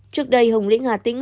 trước đây hồng lĩnh hà tĩnh